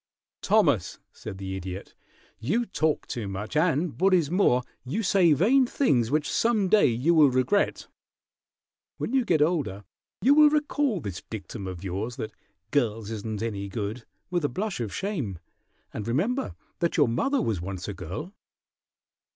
"Thomas," said the Idiot, "you talk too much, and, what is more, you say vain things which some day you will regret. When you get older you will recall this dictum of yours, that 'girls isn't any good,' with a blush of shame, and remember that your mother was once a girl."